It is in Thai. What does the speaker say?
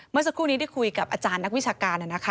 เมื่อสักครู่นี้ได้คุยกับอาจารย์นักวิชาการ